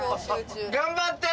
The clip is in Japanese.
頑張って！